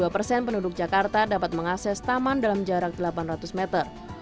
dua puluh dua persen penduduk jakarta dapat mengakses taman dalam jarak delapan ratus meter